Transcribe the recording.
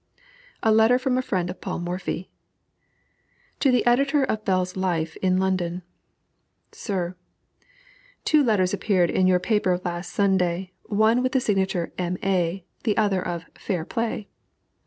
LETTER FROM A FRIEND OF PAUL MORPHY. To the Editor of Bell's Life in London: SIR, Two letters appeared in your paper of last Sunday, one with the signature of "M. A.," the other of "Fair Play."